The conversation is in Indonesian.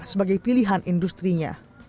sebagai pilihan industri nya